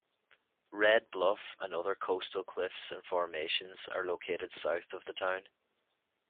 Red Bluff and other coastal cliffs and formations are located south of the town.